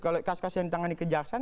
kalau kasus kasus yang ditangani kejaksaan